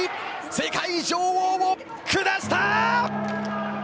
世界女王を下した。